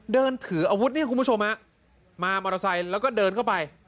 เดินถืออาวุธเนี่ยคุณผู้ชมฮะมามอเตอร์ไซค์แล้วก็เดินเข้าไป